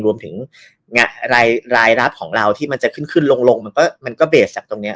รวมถึงรายรับของเราที่มันจะขึ้นขึ้นลงมันก็เบสจากตรงนี้